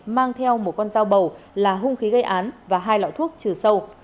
mang theo một con dao bầu là hung khí gây án và hai loại thuốc trừ sâu